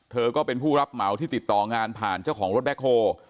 ก็เป็นผู้รับเหมาที่ติดต่องานผ่านเจ้าของรถแบ็คโฮ